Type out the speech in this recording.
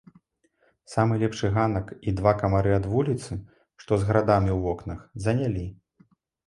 Самы лепшы ганак і два камары ад вуліцы, што з градамі ў вокнах, занялі.